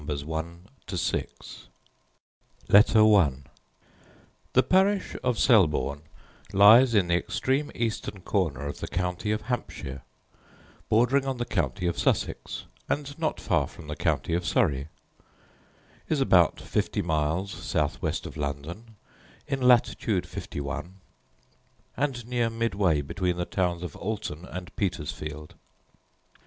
Letter I To Thomas Pennant, Esquire The parish of Selborne lies in the extreme eastern corner of the county of Hampshire, bordering on the county of Sussex, and not far from the county of Surrey; is about fifty miles south west of London, in latitude 51, and near midway between the towns of Alton and Petersfield.